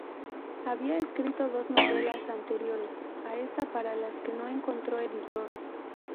Había escrito dos novelas anteriores a esta para las que no encontró editor.